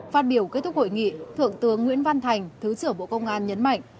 phát biểu kết thúc hội nghị thượng tướng nguyễn văn thành thứ trưởng bộ công an nhấn mạnh